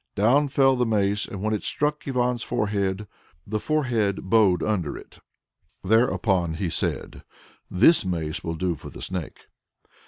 Down fell the mace, and when it struck Ivan's forehead, the forehead bowed under it. Thereupon he said, "This mace will do for the Snake!"